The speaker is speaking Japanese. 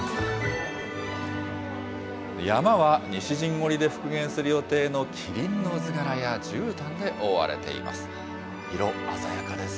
山は西陣織で復元する予定の麒麟の図柄やじゅうたんで覆われています。